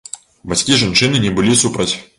Бацькі жанчыны не былі супраць.